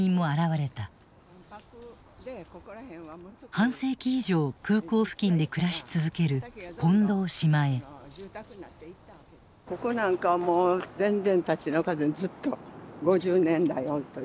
半世紀以上空港付近で暮らし続けるここなんかもう全然立ち退かずにずっと５０年来おるという。